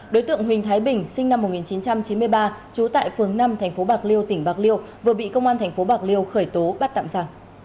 đối tượng huỳnh thái bình sinh năm một nghìn chín trăm chín mươi ba trú tại phường năm thành phố bạc liêu tỉnh bạc liêu vừa bị công an tp bạc liêu khởi tố bắt tạm giả